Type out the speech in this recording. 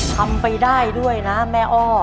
ทำไปได้ด้วยนะแม่อ้อ